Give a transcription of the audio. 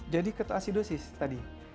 jadi ketoasidosis tadi